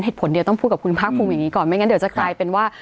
เหตุผลเดียวต้องพูดกับคุณภาคภูมิอย่างนี้ก่อนไม่งั้นเดี๋ยวจะกลายเป็นว่า